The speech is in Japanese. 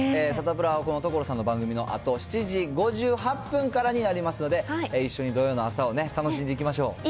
サタプラはこの所さんの番組のあと、７時５８分からになりますので、一緒に土曜の朝をね、楽しんでいきましょう。